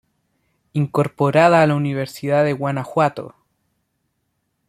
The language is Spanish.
Incorporada a la Universidad de Guanajuato.